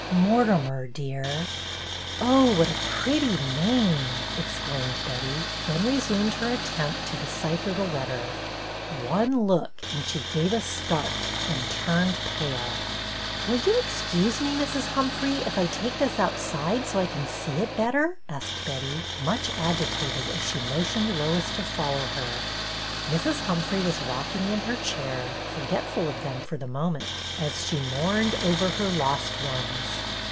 " Mortimer, dear." " Oh, what a pretty name," exclaimed Betty, then re.sumed her attempt to decipher the letter. One look, and she gave a start and turned pale. " Will you excuse me, Mrs. Humphrey, if I take this outside so I can see it better ?" asked Betty, much agitated as she motioned Lois to follow her. Mrs. Humphrey was rocking in her chair, forgetful of them for the moment, as she mourned over her lost ones.